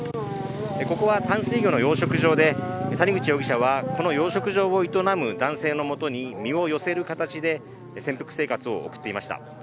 ここは淡水魚の養殖場で、谷口容疑者はこの養殖場を営む男性のもとに身を寄せる形で潜伏生活を送っていました。